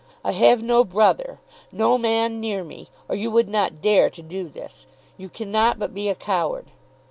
I have no brother, no man near me; or you would not dare to do this. You can not but be a coward.